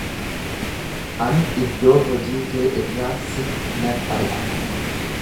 Ani iddoo hojii kee irraa si nan ari'a.